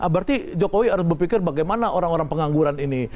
berarti jokowi harus berpikir bagaimana orang orang pengangguran ini